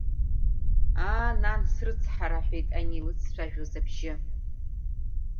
Аа, нан, срыцҳара аҳәеит ани илыццәажәоз абжьы.